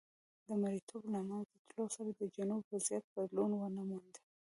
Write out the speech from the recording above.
د مریتوب له منځه تلو سره د جنوب وضعیت بدلون ونه موند.